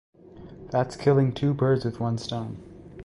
That's killing two birds with one stone.